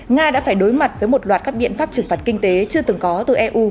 nga đã phải đối mặt với một loạt các biện pháp trừng phạt kinh tế chưa từng có từ eu